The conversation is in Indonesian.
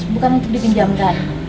bukan untuk dipinjamkan